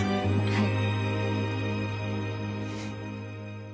はい。